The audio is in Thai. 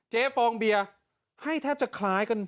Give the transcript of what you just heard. ฟองเบียร์ให้แทบจะคล้ายกัน